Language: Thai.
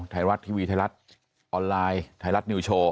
ไทรรัตร์ทีวีไทรรัตร์ออนไลน์ไทรรัตร์นิวโชว์